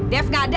dev gak ada